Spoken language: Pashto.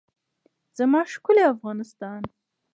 زما ښکلی افغانستان.